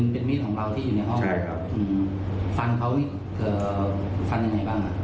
เป็นมีดของเราที่อยู่ในห้องฟันเขานี่ฟันยังไงบ้าง